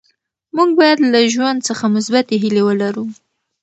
موږ باید له ژوند څخه مثبتې هیلې ولرو.